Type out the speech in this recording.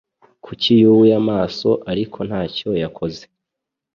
kuko yubuye amaso ariko ntacyo yakoze